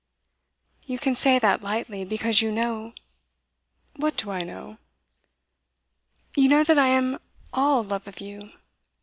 'You can say that lightly, because you know ' 'What do I know?' 'You know that I am all love of you.